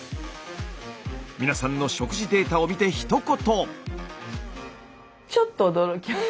皆さんの食事データを見てひと言。